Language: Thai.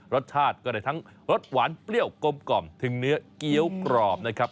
รสชาติก็ได้ทั้งรสหวานเปรี้ยวกลมกล่อมถึงเนื้อเกี้ยวกรอบนะครับ